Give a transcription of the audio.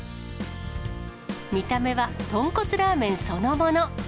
見た目は豚骨ラーメンそのもの。